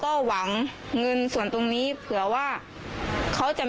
ความปลอดภัยของนายอภิรักษ์และครอบครัวด้วยซ้ำ